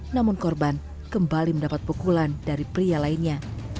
namun korban kembali mendapat pukulan dari pria lainnya